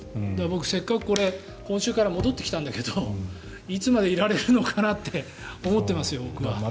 僕、せっかく今週から戻ってきたんだけどいつまでいられるのかなって思ってますよ、僕は。